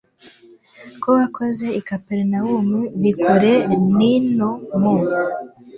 ko wakoze i kaperinawumu bikore n ino mu